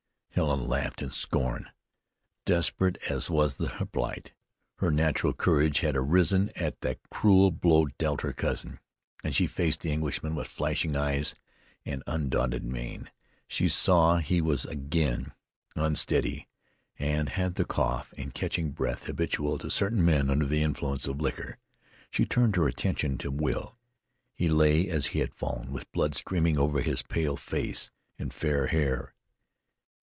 Helen laughed in scorn. Desperate as was the plight, her natural courage had arisen at the cruel blow dealt her cousin, and she faced the Englishman with flashing eyes and undaunted mien. She saw he was again unsteady, and had the cough and catching breath habitual to certain men under the influence of liquor. She turned her attention to Will. He lay as he had fallen, with blood streaming over his pale face and fair hair.